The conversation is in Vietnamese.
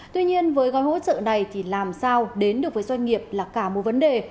tuy nhiên với gói hỗ trợ này thì làm sao đến được với doanh nghiệp là cả một vấn đề